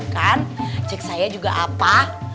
kan cek saya juga apa